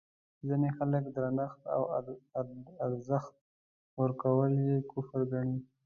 ځینې خلک درنښت او ارزښت ورکول یې کفر ګڼي.